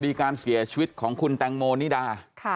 การเสียชีวิตของคุณแตงโมนิดา